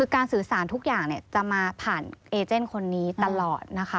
การสื่อสารทุกอย่างจะมาผ่านเอเจนคนนี้ตลอดนะคะ